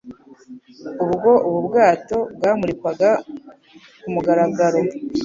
ubwo ubu bwato bwamurikwaga ku mugaragaro